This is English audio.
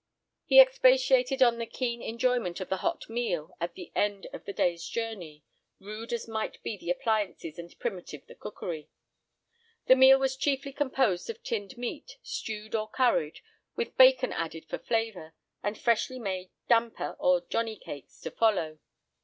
He expatiated on the keen enjoyment of the hot meal at the end of the day's journey, rude as might be the appliances and primitive the cookery. The meal was chiefly composed of tinned meat, stewed or curried, with bacon added for flavour; and freshly made damper, or "Johnny cakes," to follow.